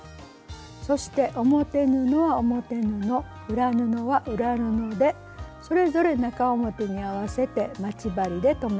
そして表布は表布裏布は裏布でそれぞれ中表に合わせて待ち針で留めます。